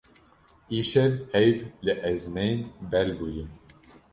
Îşev heyv li ezmên bel bûye.